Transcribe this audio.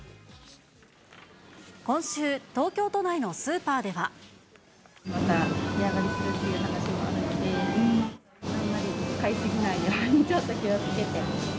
今週、また値上がりするっていう話もあるので、あんまり買い過ぎないように、ちょっと気をつけて。